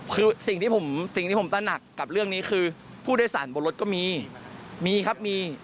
คือสิ่งที่ผมสิ่งที่ผมตระหนักกับเรื่องนี้คือผู้โดยสารบนรถก็มีมีครับมี